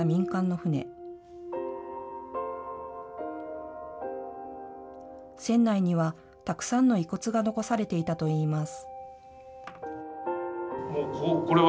船内には、たくさんの遺骨が残されていたといいます。